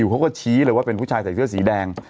เขาก็ชี้เลยว่าเป็นผู้ชายใส่เสื้อสีแดง